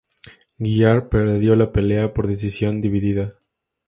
Guillard perdió la pelea por decisión dividida.